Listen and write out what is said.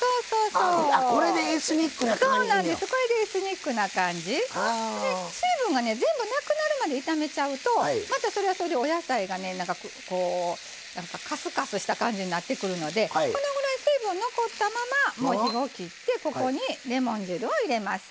それで水分が全部なくなるまで炒めちゃうとまたそれはそれでお野菜がねなんかこうかすかすした感じになってくるのでこのぐらい水分を残ったままもう火を切ってここにレモン汁を入れます。